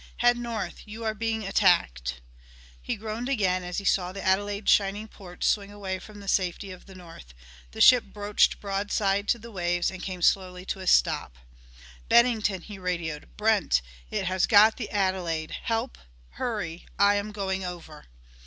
"Head north. You are being attacked!" He groaned again as he saw the Adelaide's shining ports swing away from the safety of the north; the ship broached broadside to the waves and came slowly to a stop. "Bennington," he radioed. "Brent it has got the Adelaide. Help hurry! I am going over."